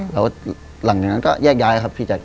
แล้วหลังจากนั้นก็แยกย้ายครับพี่แจ๊